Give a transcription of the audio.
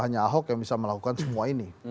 hanya ahok yang bisa melakukan semua ini